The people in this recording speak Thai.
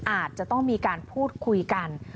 อาจจะต้องมีการพูดคุยกัน